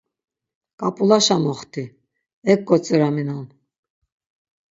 K̆ap̌ulaşa moxti, ek gotziraminon.